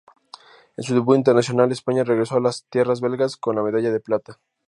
En su debut internacional, España regresó de tierras belgas con la medalla de plata.